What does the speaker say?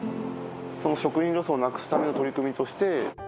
その食品ロスをなくすための取り組みとして。